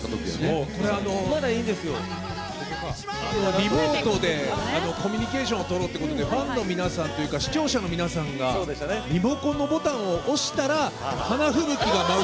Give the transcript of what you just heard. リモートでコミュニケーションをとろうってことでファンの皆さんと視聴者の皆さんがリモコンのボタンを押したら花吹雪が舞う。